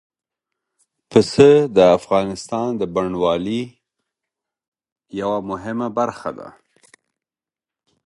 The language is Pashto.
پسه د افغانستان د بڼوالۍ یوه مهمه برخه ده.